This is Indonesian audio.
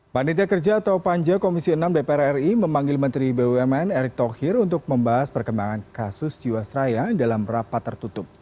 panitia kerja atau panja komisi enam dpr ri memanggil menteri bumn erick thohir untuk membahas perkembangan kasus jiwasraya dalam rapat tertutup